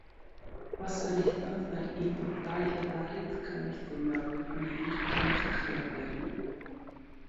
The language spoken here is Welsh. Gwasanaethodd fel un o ddau Lefarydd Cynorthwyol yn Nhŷ'r Cynrychiolwyr.